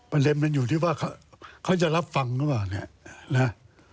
ประเด็นมันอยู่ที่ว่าเขาจะรับฟังหรือเปล่าเนี่ยนะ